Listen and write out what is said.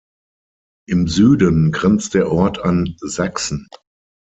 Im Süden grenzt der Ort an Sachsen.